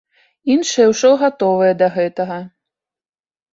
Іншыя ўжо гатовыя да гэтага.